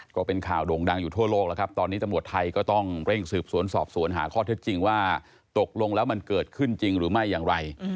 ก็เป็นข่าวโด่งดังอยู่ทั่วโลกแล้วครับตอนนี้ตำรวจไทยก็ต้องเร่งสืบสวนสอบสวนหาข้อเท็จจริงว่าตกลงแล้วมันเกิดขึ้นจริงหรือไม่อย่างไร